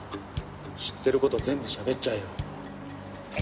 知ってる事全部しゃべっちゃえよ。